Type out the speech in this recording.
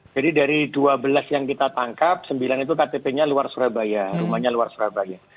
jadi dari dua belas yang kita tangkap sembilan itu ktp nya luar surabaya rumahnya luar surabaya